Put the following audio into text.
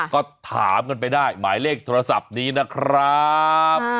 ก็ถามกันไปได้หมายเลขโทรศัพท์นี้นะครับ